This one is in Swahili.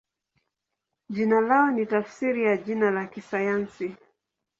Jina lao ni tafsiri ya jina la kisayansi.